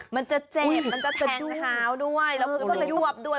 มันจะเจ็บมันจะแทงเท้าด้วย